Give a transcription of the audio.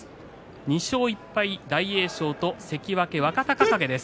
２勝１敗大栄翔と関脇若隆景です。